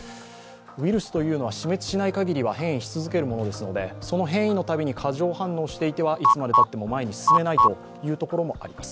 ウイルスというのは死滅しないかぎりは変異し続けるものですのでその変異のたびに過剰反応していてはいつまでたっても前に進めないところもあります。